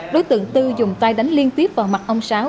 đối tượng tư dùng tay đánh liên tiếp vào mặt ông sáu